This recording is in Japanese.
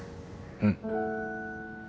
うん。